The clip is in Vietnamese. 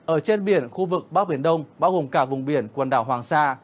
ở trên biển khu vực bắc biển đông bao gồm cả vùng biển quần đảo hoàng sa